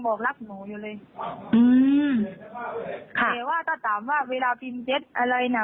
ตอนนี้มีเกิดที่พวกเขามีภารกิจกรรมหรอกนะ